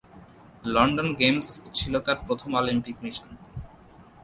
London Games ছিল তার প্রথম অলিম্পিক মিশন।